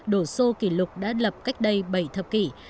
độ sô kỷ lục đã lập cách đây bảy thập kỷ